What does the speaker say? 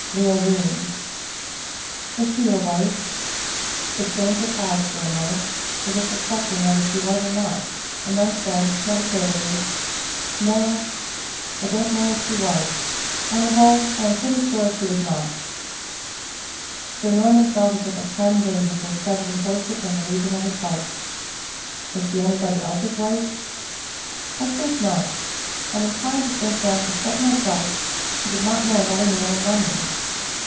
"Leoline." "Was she your wife?" The stranger paused for a moment, as if reflecting whether she was or not, and then said, meditatively, "No I don't know as she was. On the whole, I am pretty sure she was not." Sir Norman felt as if a ton weight had been suddenly hoisted from the region of his heart. "Was she anybody else's wife?" "I think not. I'm inclined to think that, except myself, she did not know another man in London."